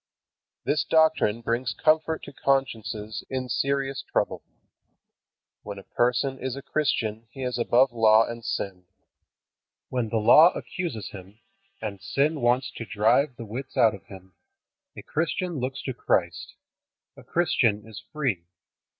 This doctrine brings comfort to consciences in serious trouble. When a person is a Christian he is above law and sin. When the Law accuses him, and sin wants to drive the wits out of him, a Christian looks to Christ. A Christian is free.